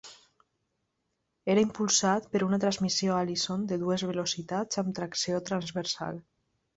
Era impulsat per una transmissió Allison de dues velocitats amb tracció transversal.